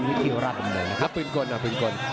พื้นกลว่าพื้นกล